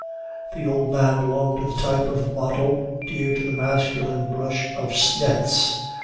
The old man belonged to the type of model dear to the masculine brush of Schnetz.